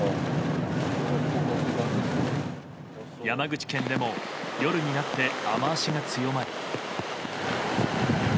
山口県でも夜になって雨脚が強まり。